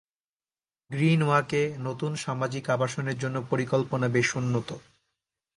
Green ওয়াক-এ নতুন সামাজিক আবাসনের জন্য পরিকল্পনা বেশ উন্নত।